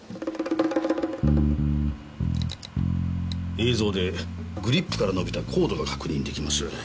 映像でグリップから延びたコードが確認できます。